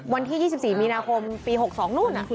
วันที่๒๔มีนาคมปี๖๒นู่น